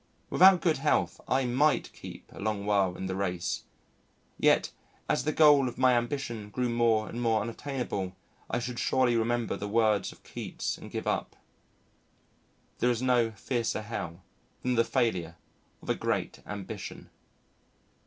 Without good health, I might keep a long while in the race, yet as the goal of my ambition grew more and more unattainable I should surely remember the words of Keats and give up: "There is no fiercer Hell than the failure of a great ambition."